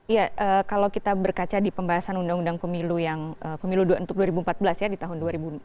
iya kalau kita berkaca di pembahasan undang undang pemilu yang pemilu untuk dua ribu empat belas ya di tahun dua ribu empat belas